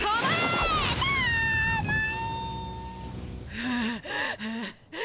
はあはあ。